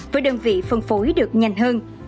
với đơn vị phân phối được nhanh hơn